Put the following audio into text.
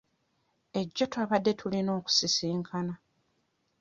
Ejjo twabadde tulina okusisinkana.